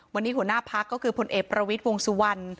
วันนี้หัวหน้าพักก็คือพลเอกประวิทย์วงสุวรรณ